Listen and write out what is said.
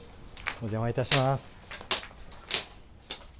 お邪魔いたします。